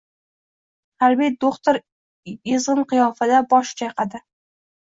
Harbiy do‘xtir ezg‘in qiyofada bosh chayqadi.